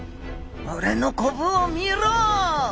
「俺のコブを見ろ！」